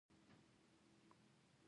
«توندلاري طالبان» اصطلاح سمه به وي.